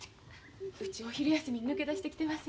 うちお昼休みに抜け出してきてます